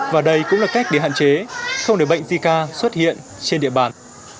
và đây cũng là cách để hạn chế không để bệnh sica xuất hiện trên địa bàn